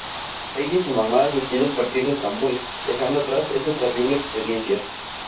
Ella y su mamá deciden partir de Estambul, dejando atrás esa terrible experiencia.